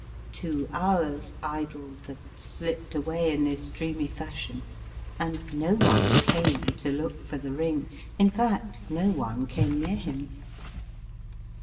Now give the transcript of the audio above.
Two hours idled and slipped away in this dreamy fashion, and no one came to look for the ring — ^in fact, no one came near him.